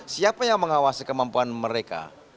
siapa yang mengawasi kemampuan mereka